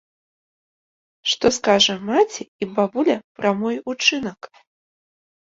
Што скажа маці і бабуля пра мой учынак?